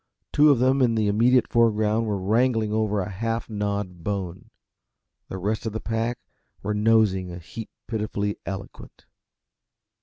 Two of them in the immediate foreground were wrangling over a half gnawed bone. The rest of the pack were nosing a heap pitifully eloquent.